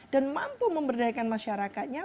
dan mampu memberdayakan masyarakatnya